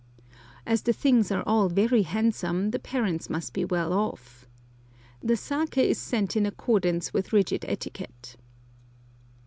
As the things are all very handsome the parents must be well off. The saké is sent in accordance with rigid etiquette.